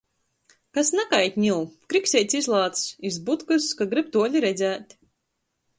Kas nakait niu! Krikseits izlāc iz butkys, ka gryb tuoli redzēt.